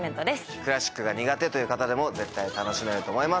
クラシックが苦手という方でも絶対楽しめると思います。